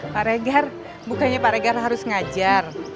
pak regar bukannya pak regar harus ngajar